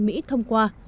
mỹ thông qua